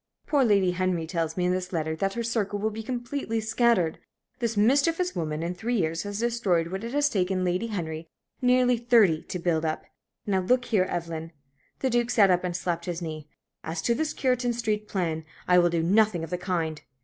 Poor Lady Henry tells me in this letter that her circle will be completely scattered. This mischievous woman in three years has destroyed what it has taken Lady Henry nearly thirty to build up. Now look here, Evelyn" the Duke sat up and slapped his knee "as to this Cureton Street plan, I will do nothing of the kind.